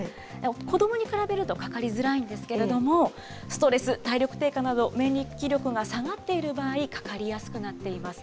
子どもに比べるとかかりづらいんですけれども、ストレス、体力低下など、免疫力が下がっている場合、かかりやすくなっています。